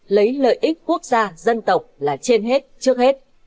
lấy lợi ích quốc gia dân tộc là trên hết trước hết